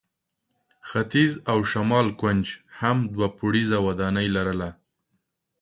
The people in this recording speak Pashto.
ختیځ او شمال کونج هم دوه پوړیزه ودانۍ لرله.